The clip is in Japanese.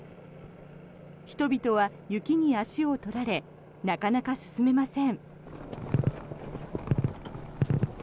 人々は雪に足を取られなかなか進めません。